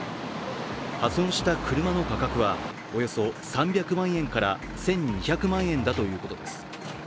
破損した車の価格はおよそ３００万円から１２００万円だということです。